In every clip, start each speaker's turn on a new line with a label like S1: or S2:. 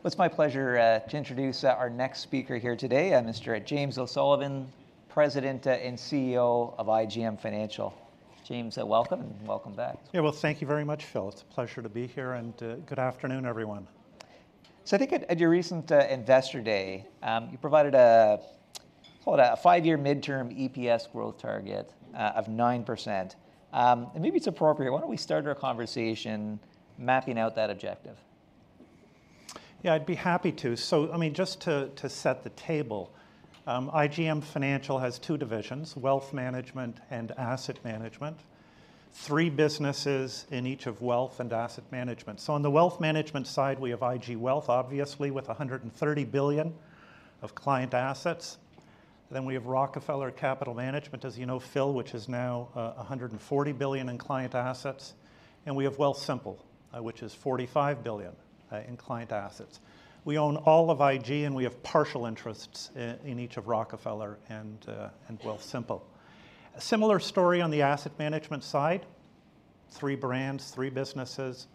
S1: All right. Okay, okay. Great. It's my pleasure to introduce our next speaker here today, Mr. James O'Sullivan, President and CEO of IGM Financial. James, welcome. Welcome back.
S2: Yeah, well, thank you very much, Phil. It's a pleasure to be here, and good afternoon, everyone.
S1: So I think at your recent Investor Day, you provided, call it, a five-year midterm EPS growth target of 9%. And maybe it's appropriate. Why don't we start our conversation mapping out that objective?
S2: Yeah, I'd be happy to. So, I mean, just to set the table, IGM Financial has two divisions, Wealth Management and Asset Management. Three businesses in each of Wealth and Asset Management. So on the Wealth Management side, we have IG Wealth, obviously, with 130 billion of client assets. Then we have Rockefeller Capital Management, as you know, Phil, which is now 140 billion in client assets. And we have Wealthsimple, which is 45 billion in client assets. We own all of IG, and we have partial interests in each of Rockefeller and Wealthsimple. A similar story on the asset management side, three brands, three businesses.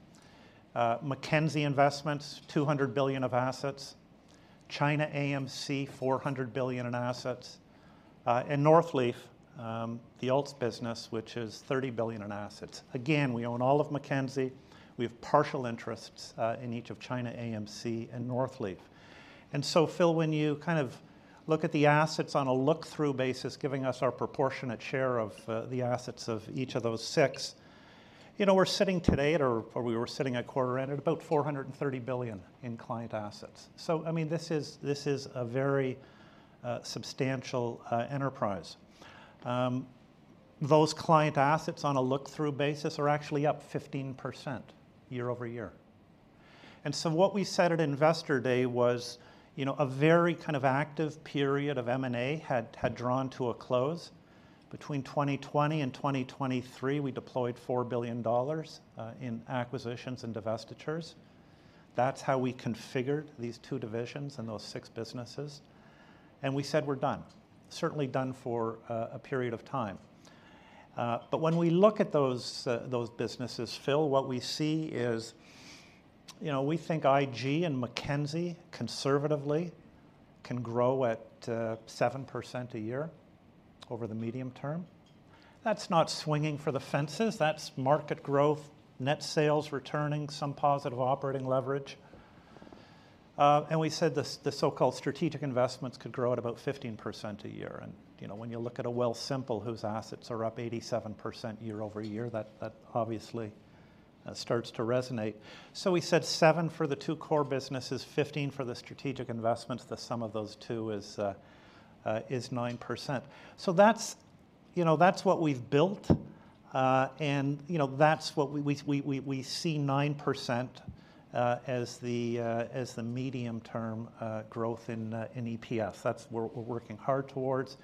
S2: Mackenzie Investments, 200 billion of assets. ChinaAMC, 400 billion in assets. And Northleaf, the alts business, which is 30 billion in assets. Again, we own all of Mackenzie. We have partial interests in each of ChinaAMC and Northleaf. And so, Phil, when you kind of look at the assets on a look-through basis, giving us our proportionate share of the assets of each of those six, you know, we're sitting today at, or we were sitting at quarter-end, at about 430 billion in client assets. So, I mean, this is, this is a very substantial enterprise. Those client assets on a look-through basis are actually up 15% year-over-year. And so what we said at Investor Day was, you know, a very kind of active period of M&A had drawn to a close. Between 2020 and 2023, we deployed 4 billion dollars in acquisitions and divestitures. That's how we configured these two divisions and those six businesses, and we said we're done. Certainly done for a period of time. But when we look at those those businesses, Phil, what we see is, you know, we think IG and Mackenzie conservatively can grow at 7% a year over the medium term. That's not swinging for the fences. That's market growth, net sales returning, some positive operating leverage. And we said the so-called strategic investments could grow at about 15% a year. And, you know, when you look at a Wealthsimple, whose assets are up 87% year-over-year, that obviously starts to resonate. So we said 7% for the two core businesses, 15% for the strategic investments. The sum of those two is 9%. So that's, you know, that's what we've built, and, you know, that's what we see 9% as the medium-term growth in EPS. That's what we're working hard towards.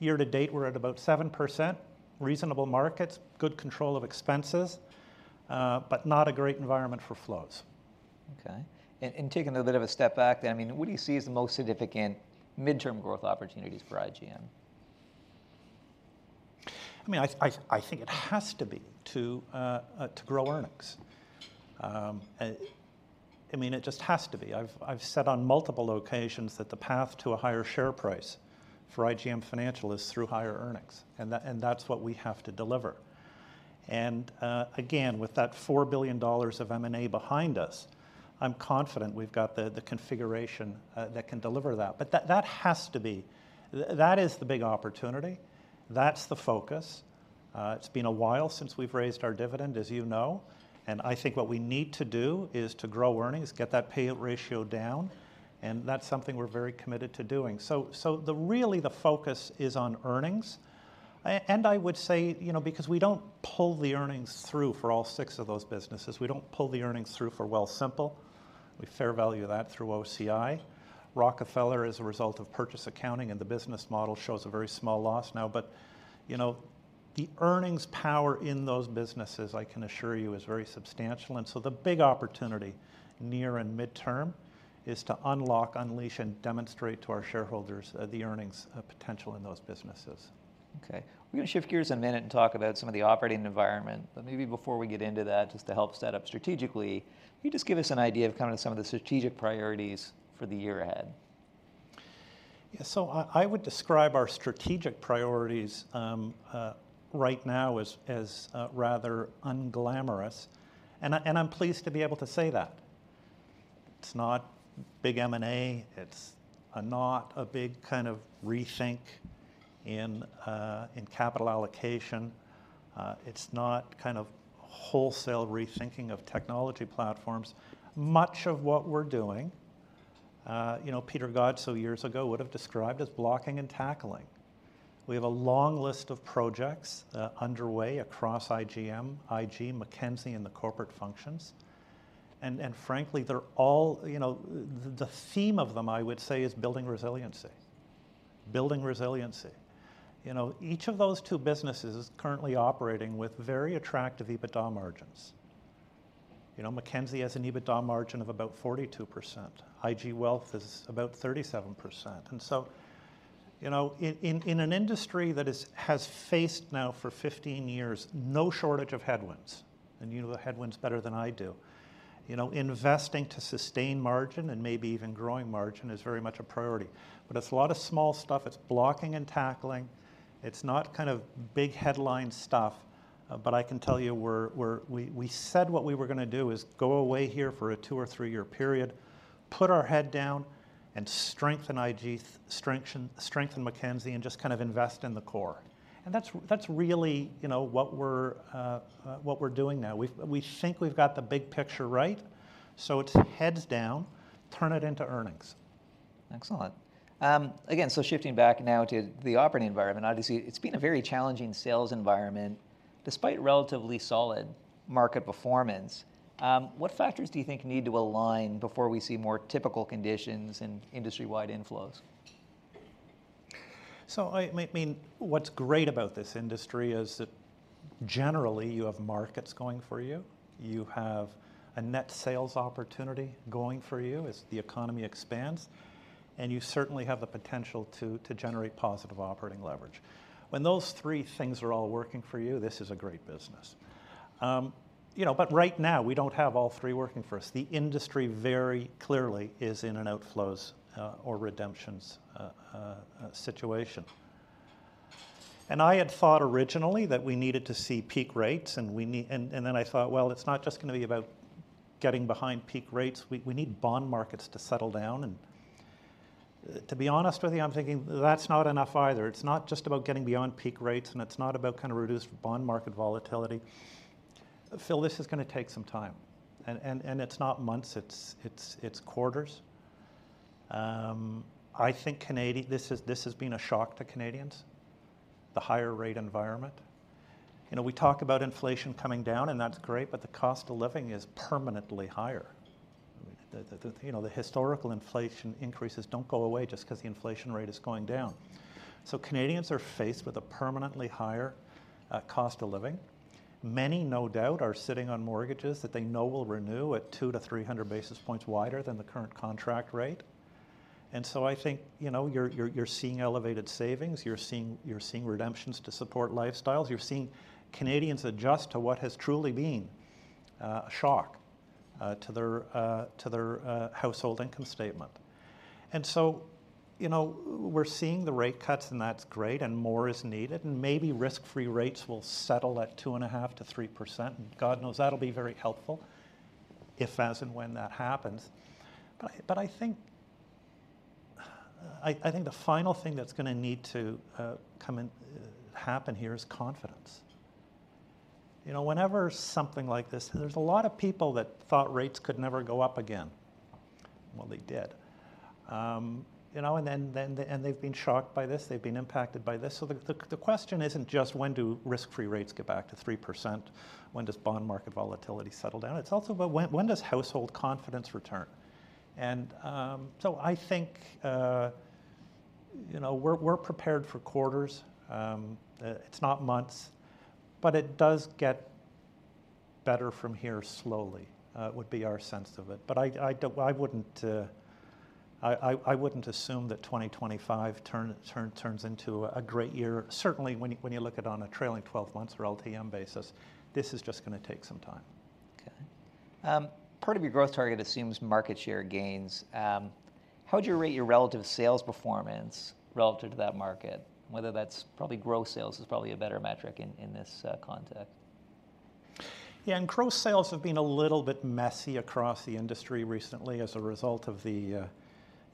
S2: Year to date, we're at about 7%. Reasonable markets, good control of expenses, but not a great environment for flows.
S1: Okay. And taking a bit of a step back then, I mean, what do you see as the most significant midterm growth opportunities for IGM?
S2: I mean, I think it has to be to grow earnings. I mean, it just has to be. I've said on multiple occasions that the path to a higher share price for IGM Financial is through higher earnings, and that's what we have to deliver. And again, with that 4 billion dollars of M&A behind us, I'm confident we've got the configuration that can deliver that. But that has to be. That is the big opportunity. That's the focus. It's been a while since we've raised our dividend, as you know, and I think what we need to do is to grow earnings, get that payout ratio down, and that's something we're very committed to doing. So, really, the focus is on earnings. I would say, you know, because we don't pull the earnings through for all six of those businesses, we don't pull the earnings through for Wealthsimple. We fair value that through OCI. Rockefeller, as a result of purchase accounting and the business model, shows a very small loss now, but, you know, the earnings power in those businesses, I can assure you, is very substantial. And so the big opportunity, near and midterm, is to unlock, unleash, and demonstrate to our shareholders, the earnings potential in those businesses.
S1: Okay, we're going to shift gears a minute and talk about some of the operating environment, but maybe before we get into that, just to help set up strategically, can you just give us an idea of kind of some of the strategic priorities for the year ahead?
S2: Yeah, so I would describe our strategic priorities right now as rather unglamorous, and I'm pleased to be able to say that. It's not big M&A. It's not a big kind of rethink in capital allocation. It's not kind of wholesale rethinking of technology platforms. Much of what we're doing, you know, Peter Godsoe years ago would have described as blocking and tackling. We have a long list of projects underway across IGM, IG, Mackenzie, and the corporate functions, and frankly, they're all. You know, the theme of them, I would say, is building resiliency. Building resiliency. You know, each of those two businesses is currently operating with very attractive EBITDA margins. You know, Mackenzie has an EBITDA margin of about 42%, IG Wealth is about 37%. And so-... You know, in an industry that has faced now for fifteen years no shortage of headwinds, and you know the headwinds better than I do. You know, investing to sustain margin and maybe even growing margin is very much a priority. But it's a lot of small stuff. It's blocking and tackling. It's not kind of big headline stuff, but I can tell you we're, we said what we were gonna do is go away here for a two- or three-year period, put our head down, and strengthen IG, strengthen Mackenzie, and just kind of invest in the core. And that's really, you know, what we're doing now. We think we've got the big picture right, so it's heads down, turn it into earnings.
S1: Excellent. Again, so shifting back now to the operating environment, obviously, it's been a very challenging sales environment, despite relatively solid market performance. What factors do you think need to align before we see more typical conditions and industry-wide inflows?
S2: So, I mean, what's great about this industry is that generally, you have markets going for you, you have a net sales opportunity going for you as the economy expands, and you certainly have the potential to generate positive operating leverage. When those three things are all working for you, this is a great business. You know, but right now, we don't have all three working for us. The industry very clearly is in an outflows or redemptions situation. And I had thought originally that we needed to see peak rates, and then I thought, "Well, it's not just gonna be about getting behind peak rates. We need bond markets to settle down." And, to be honest with you, I'm thinking that's not enough either. It's not just about getting beyond peak rates, and it's not about kinda reduced bond market volatility. Phil, this is gonna take some time, and it's not months, it's quarters. I think this has been a shock to Canadians, the higher rate environment. You know, we talk about inflation coming down, and that's great, but the cost of living is permanently higher. You know, the historical inflation increases don't go away just 'cause the inflation rate is going down. So Canadians are faced with a permanently higher cost of living. Many, no doubt, are sitting on mortgages that they know will renew at 200-300 basis points wider than the current contract rate. And so I think, you know, you're seeing elevated savings, you're seeing redemptions to support lifestyles, you're seeing Canadians adjust to what has truly been a shock to their household income statement. And so, you know, we're seeing the rate cuts, and that's great, and more is needed, and maybe risk-free rates will settle at two and a half to 3%, and God knows that'll be very helpful, if, as, and when that happens. But I think the final thing that's gonna need to come and happen here is confidence. You know, whenever something like this, there's a lot of people that thought rates could never go up again. Well, they did. You know, and then, and they've been shocked by this, they've been impacted by this. So the question isn't just, when do risk-free rates get back to 3%? When does bond market volatility settle down? It's also about when does household confidence return? And so I think, you know, we're prepared for quarters. It's not months, but it does get better from here slowly, would be our sense of it. But I wouldn't... I wouldn't assume that 2025 turns into a great year. Certainly, when you look at on a trailing twelve months or LTM basis, this is just gonna take some time.
S1: Okay. Part of your growth target assumes market share gains. How would you rate your relative sales performance relative to that market? Probably gross sales is probably a better metric in this context.
S2: Yeah, and gross sales have been a little bit messy across the industry recently as a result of the,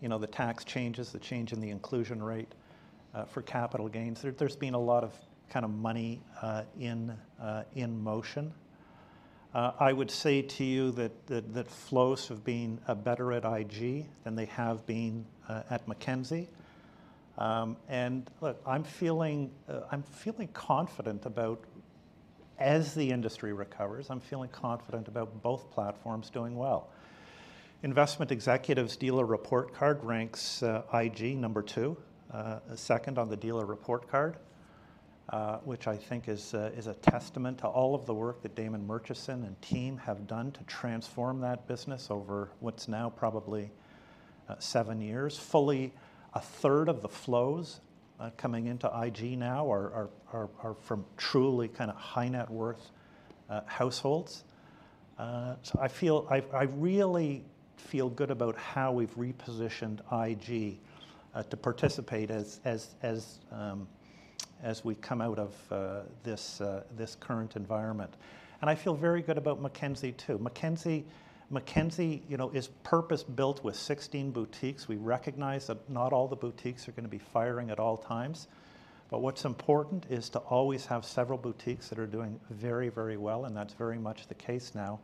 S2: you know, the tax changes, the change in the inclusion rate for capital gains. There's been a lot of kind of money in motion. I would say to you that flows have been better at IG than they have been at Mackenzie. And look, I'm feeling confident as the industry recovers about both platforms doing well. Investment Executive Dealer Report Card ranks IG number two, second on the Dealer Report Card, which I think is a testament to all of the work that Damon Murchison and team have done to transform that business over what's now probably seven years. Fully, a third of the flows coming into IG now are from truly kind of high-net-worth households, so I really feel good about how we've repositioned IG to participate as we come out of this current environment, and I feel very good about Mackenzie too. Mackenzie, you know, is purpose-built with sixteen boutiques. We recognize that not all the boutiques are gonna be firing at all times, but what's important is to always have several boutiques that are doing very well, and that's very much the case now,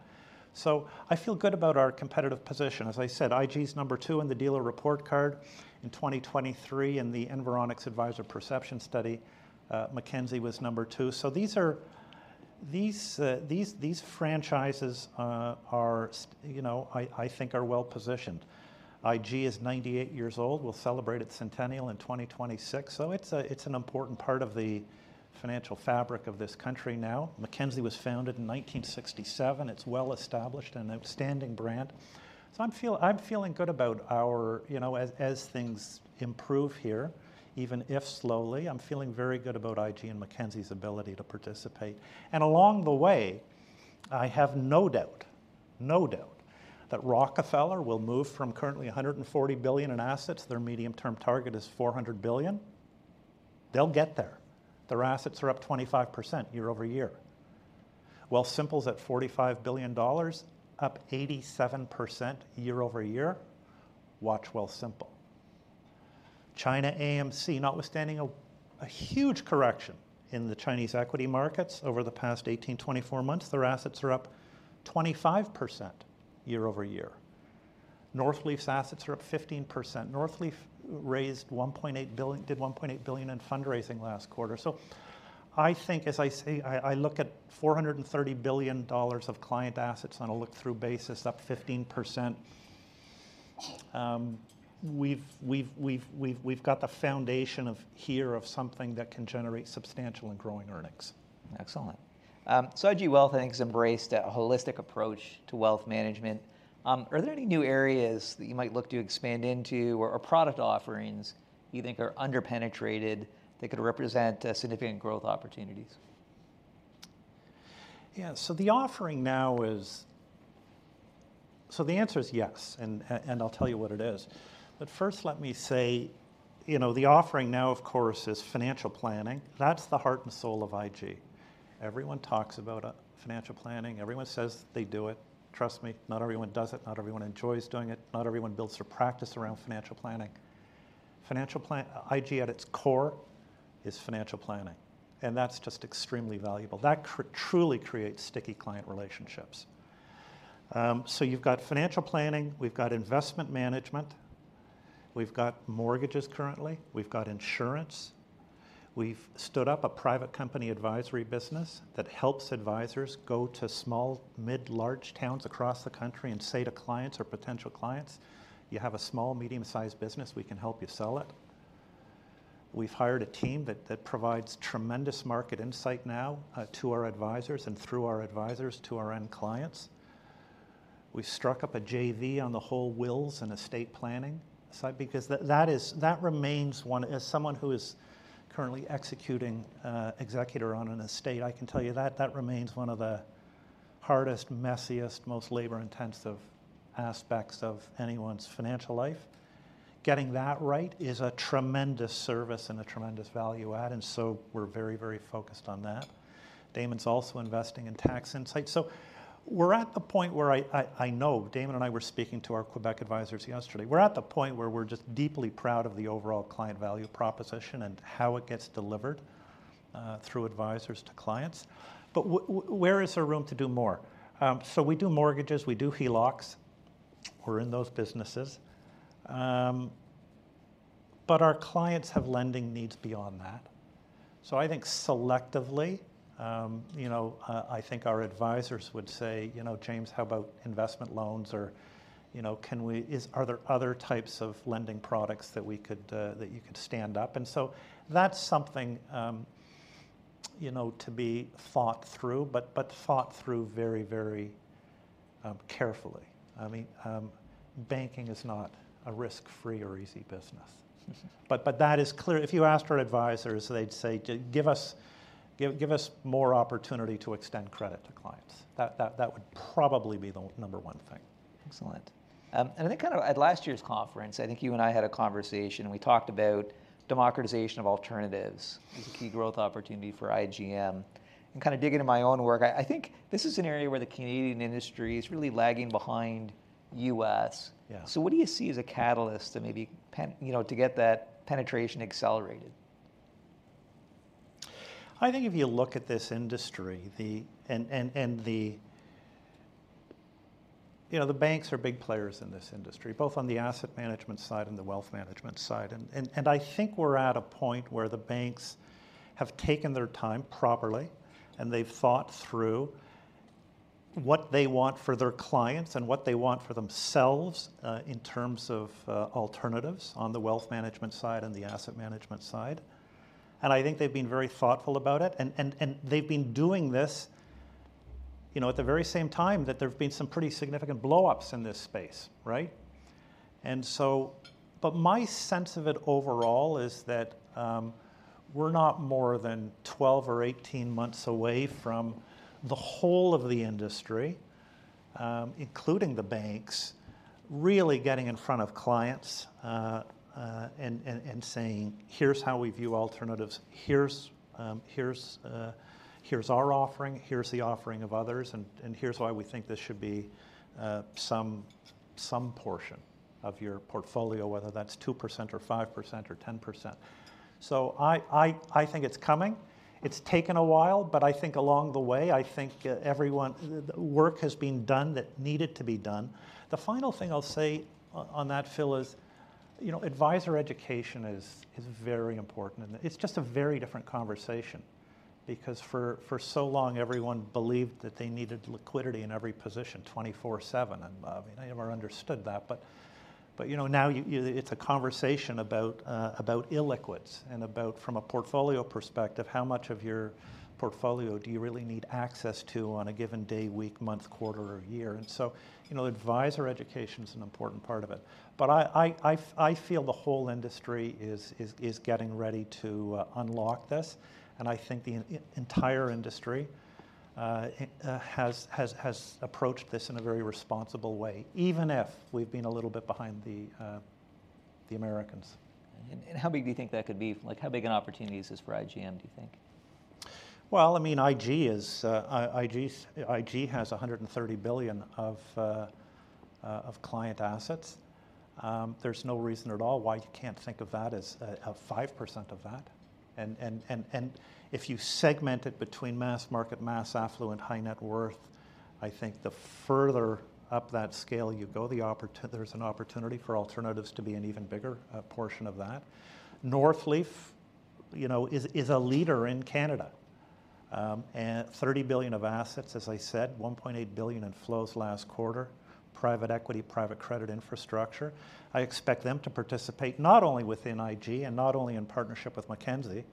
S2: so I feel good about our competitive position. As I said, IG is number two in the Dealer Report Card. In twenty twenty-three, in the Environics Advisor Perception Study, Mackenzie was number two. These franchises, you know, I think are well-positioned. IG is 98 years old, will celebrate its centennial in 2026, so it's an important part of the financial fabric of this country now. Mackenzie was founded in 1967. It's well-established and an outstanding brand. I'm feeling good about our. You know, as things improve here, even if slowly, I'm feeling very good about IG and Mackenzie's ability to participate. Along the way, I have no doubt that Rockefeller will move from currently 140 billion in assets. Their medium-term target is 400 billion. They will get there. Their assets are up 25% year-over-year, while Wealthsimple's at CAD 45 billion, up 87% year-over-year. Watch Wealthsimple. China AMC, notwithstanding a huge correction in the Chinese equity markets over the past 18-24 months, their assets are up 25% year-over-year. Northleaf's assets are up 15%. Northleaf raised 1.8 billion in fundraising last quarter. So I think, as I say, I look at 430 billion dollars of client assets on a look-through basis, up 15%. We've got the foundation here of something that can generate substantial and growing earnings.
S1: Excellent. So IG Wealth, I think, has embraced a holistic approach to wealth management. Are there any new areas that you might look to expand into, or product offerings you think are under-penetrated, that could represent significant growth opportunities?
S2: Yeah. So the offering now is-- So the answer is yes, and, and I'll tell you what it is. But first, let me say, you know, the offering now, of course, is financial planning. That's the heart and soul of IG. Everyone talks about financial planning. Everyone says they do it. Trust me, not everyone does it, not everyone enjoys doing it, not everyone builds their practice around financial planning. IG, at its core, is financial planning, and that's just extremely valuable. That truly creates sticky client relationships. So you've got financial planning, we've got investment management, we've got mortgages currently, we've got insurance. We've stood up a private company advisory business that helps advisors go to small, mid, large towns across the country and say to clients or potential clients: "You have a small, medium-sized business, we can help you sell it." We've hired a team that provides tremendous market insight now to our advisors, and through our advisors, to our end clients. We struck up a JV on the whole wills and estate planning side, because that remains one... As someone who is currently executing executor on an estate, I can tell you that remains one of the hardest, messiest, most labor-intensive aspects of anyone's financial life. Getting that right is a tremendous service and a tremendous value add, and so we're very, very focused on that. Damon's also investing in tax insight. So we're at the point where I know Damon and I were speaking to our Quebec advisors yesterday. We're at the point where we're just deeply proud of the overall client value proposition and how it gets delivered through advisors to clients. But where is there room to do more? So we do mortgages, we do HELOCs. We're in those businesses. But our clients have lending needs beyond that. So I think selectively, you know, I think our advisors would say, "You know, James, how about investment loans?" Or, you know, "are there other types of lending products that we could that you could stand up?" And so that's something, you know, to be thought through, but thought through very, very carefully. I mean, banking is not a risk-free or easy business.
S1: Mm-hmm.
S2: But that is clear. If you asked our advisors, they'd say, "give us more opportunity to extend credit to clients." That would probably be the number one thing.
S1: Excellent, and I think kind of at last year's conference, I think you and I had a conversation, and we talked about democratization of alternatives as a key growth opportunity for IGM. And kind of digging in my own work, I think this is an area where the Canadian industry is really lagging behind U.S.
S2: Yeah.
S1: So what do you see as a catalyst to maybe, you know, to get that penetration accelerated?
S2: I think if you look at this industry, you know, the banks are big players in this industry, both on the asset management side and the wealth management side. I think we're at a point where the banks have taken their time properly, and they've thought through what they want for their clients and what they want for themselves, in terms of alternatives on the wealth management side and the asset management side, and I think they've been very thoughtful about it. They've been doing this, you know, at the very same time that there have been some pretty significant blow-ups in this space, right? And so, but my sense of it overall is that we're not more than 12 or 18 months away from the whole of the industry, including the banks, really getting in front of clients and saying: "Here's how we view alternatives. Here's our offering, here's the offering of others, and here's why we think this should be some portion of your portfolio, whether that's 2% or 5% or 10%." So I think it's coming. It's taken a while, but I think along the way, I think work has been done that needed to be done. The final thing I'll say on that, Phil, is, you know, advisor education is very important, and it's just a very different conversation, because for so long, everyone believed that they needed liquidity in every position, twenty-four/seven. And, I mean, I never understood that, but, you know, now you it's a conversation about illiquids and about, from a portfolio perspective, how much of your portfolio do you really need access to on a given day, week, month, quarter, or year? And so, you know, advisor education is an important part of it. But I feel the whole industry is getting ready to unlock this, and I think the entire industry-... IGM has approached this in a very responsible way, even if we've been a little bit behind the Americans.
S1: How big do you think that could be? Like, how big an opportunity is this for IGM, do you think?
S2: I mean, IG is, IG's, IG has 130 billion of client assets. There's no reason at all why you can't think of that as 5% of that. And if you segment it between mass market, mass affluent, high net worth, I think the further up that scale you go, there's an opportunity for alternatives to be an even bigger portion of that. Northleaf, you know, is a leader in Canada. And 30 billion of assets, as I said, 1.8 billion in flows last quarter, private equity, private credit infrastructure. I expect them to participate, not only within IG and not only in partnership with Mackenzie,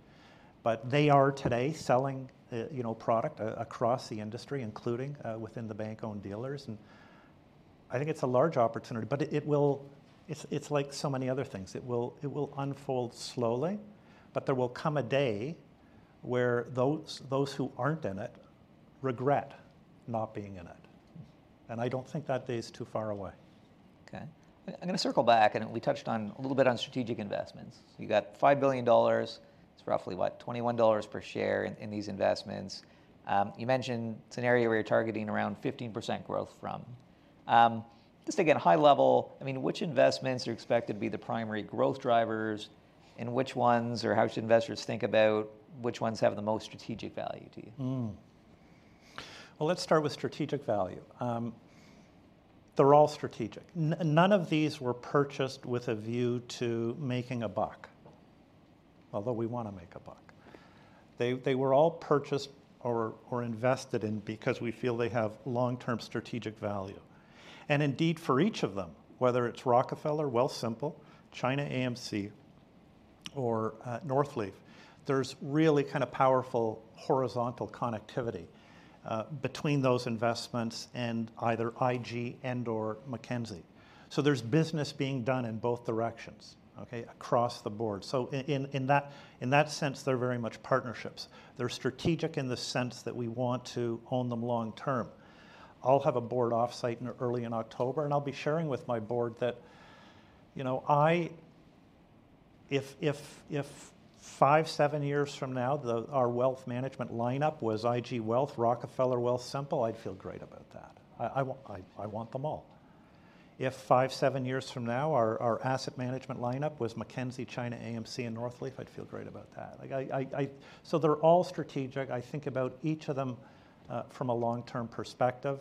S2: but they are today selling, you know, product across the industry, including, within the bank-owned dealers, and I think it's a large opportunity. But it will, it's like so many other things: it will unfold slowly, but there will come a day where those who aren't in it regret not being in it. And I don't think that day is too far away.
S1: Okay. I'm gonna circle back, and we touched on a little bit on strategic investments. You got 5 billion dollars. It's roughly what, 21 dollars per share in these investments. You mentioned it's an area where you're targeting around 15% growth from. Just again, high level, I mean, which investments are expected to be the primary growth drivers, and which ones, or how should investors think about which ones have the most strategic value to you?
S2: Well, let's start with strategic value. They're all strategic. None of these were purchased with a view to making a buck, although we wanna make a buck. They were all purchased or invested in because we feel they have long-term strategic value. And indeed, for each of them, whether it's Rockefeller, Wealthsimple, China AMC, or Northleaf, there's really kind of powerful horizontal connectivity between those investments and either IG and/or Mackenzie. So there's business being done in both directions, okay, across the board. So in that sense, they're very much partnerships. They're strategic in the sense that we want to own them long term. I'll have a board off-site in early October, and I'll be sharing with my board that, you know, I... If five-seven years from now, our wealth management lineup was IG Wealth, Rockefeller, Wealthsimple, I'd feel great about that. I want them all. If five-seven years from now our asset management lineup was Mackenzie, ChinaAMC, and Northleaf, I'd feel great about that. Like... So they're all strategic. I think about each of them from a long-term perspective.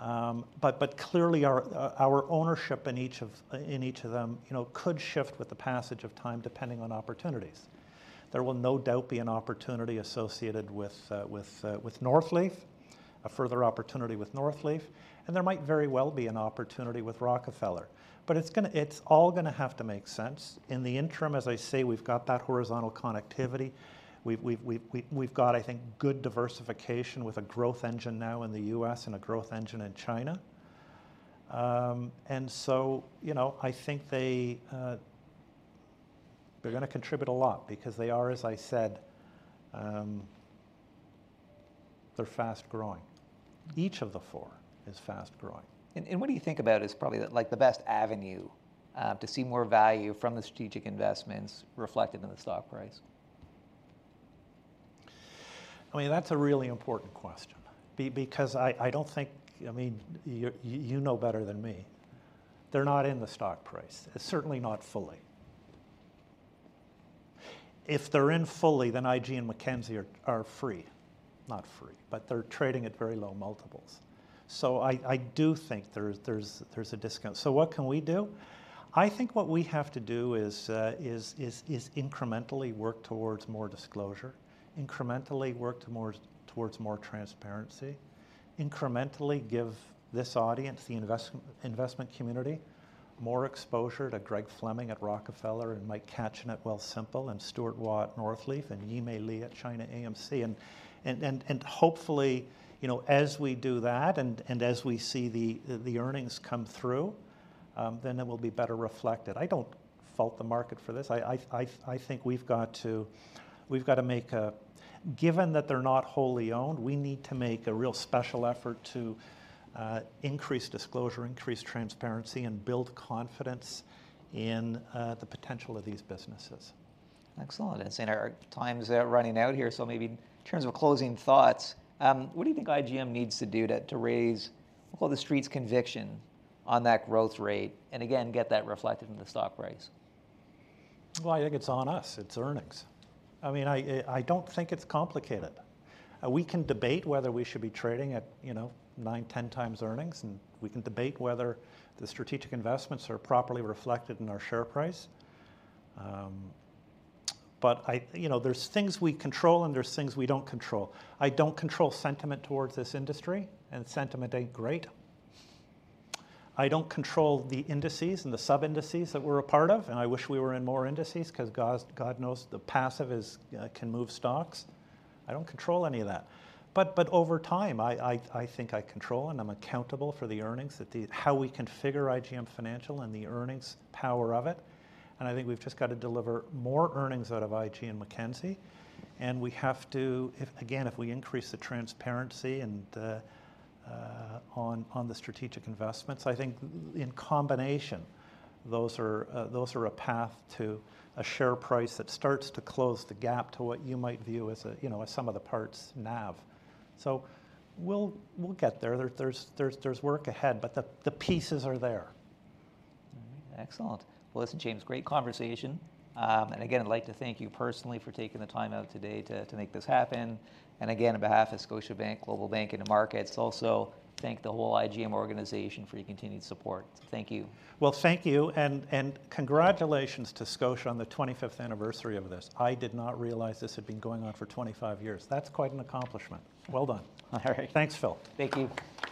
S2: But clearly, our ownership in each of them, you know, could shift with the passage of time, depending on opportunities. There will no doubt be an opportunity associated with Northleaf, a further opportunity with Northleaf, and there might very well be an opportunity with Rockefeller. But it's all gonna have to make sense. In the interim, as I say, we've got that horizontal connectivity. We've got, I think, good diversification, with a growth engine now in the U.S. and a growth engine in China. And so, you know, I think they, they're gonna contribute a lot because they are, as I said, they're fast-growing. Each of the four is fast-growing.
S1: What do you think about as probably, like, the best avenue to see more value from the strategic investments reflected in the stock price?
S2: I mean, that's a really important question, because I don't think... I mean, you know better than me. They're not in the stock price, certainly not fully. If they're in fully, then IG and Mackenzie are free. Not free, but they're trading at very low multiples. So I do think there's a discount. So what can we do? I think what we have to do is incrementally work towards more disclosure, incrementally work towards more transparency, incrementally give this audience, the investment community, more exposure to Greg Fleming at Rockefeller, and Mike Katchen at Wealthsimple, and Stuart Waugh at Northleaf, and Yimei Li at China AMC. And hopefully, you know, as we do that, and as we see the earnings come through, then it will be better reflected. I don't fault the market for this. I think we've got to, given that they're not wholly owned, we need to make a real special effort to increase disclosure, increase transparency, and build confidence in the potential of these businesses.
S1: Excellent. And so our time's running out here, so maybe in terms of closing thoughts, what do you think IGM needs to do to raise, well, The Street's conviction on that growth rate and, again, get that reflected in the stock price?
S2: I think it's on us. It's earnings. I mean, I don't think it's complicated. We can debate whether we should be trading at, you know, nine, 10 times earnings, and we can debate whether the strategic investments are properly reflected in our share price. But I, you know, there's things we control, and there's things we don't control. I don't control sentiment towards this industry, and sentiment ain't great. I don't control the indices and the sub-indices that we're a part of, and I wish we were in more indices 'cause God knows the passive can move stocks. I don't control any of that. But over time, I think I control and I'm accountable for the earnings, how we configure IGM Financial and the earnings power of it, and I think we've just got to deliver more earnings out of IG and Mackenzie. And we have to, if again, if we increase the transparency and on the strategic investments, I think in combination, those are a path to a share price that starts to close the gap to what you might view as a, you know, as sum of the parts NAV. So we'll get there. There's work ahead, but the pieces are there.
S1: All right. Excellent. Well, listen, James, great conversation. And again, I'd like to thank you personally for taking the time out today to make this happen. And again, on behalf of Scotiabank Global Banking and Markets, also thank the whole IGM organization for your continued support. Thank you.
S2: Thank you, and congratulations to Scotia on the 25th anniversary of this. I did not realize this had been going on for twenty-five years. That's quite an accomplishment. Well done.
S1: All right.
S2: Thanks, Phil.
S1: Thank you.